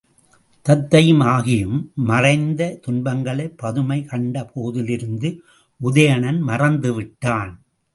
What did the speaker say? தத்தையும் ஆகியும் மறைந்த துன்பங்களைப் பதுமையைக் கண்ட போதிலிருந்து உதயணன் மறந்துவிட்டான்.